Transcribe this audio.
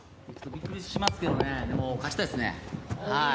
ビックリしますけどね、勝ちたいですね。